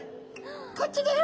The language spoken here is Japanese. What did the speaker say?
「こっちだよ」。